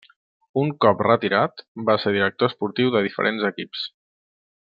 Un cop retirat va ser director esportiu de diferents equips.